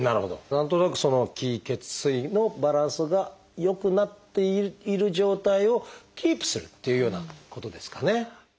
何となく「気・血・水」のバランスが良くなっている状態をキープするっていうようなことですかね。